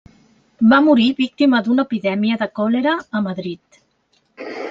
Va morir víctima d'una epidèmia de còlera a Madrid.